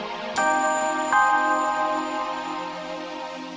aku kalo di tempat tempat rindu menebak successfully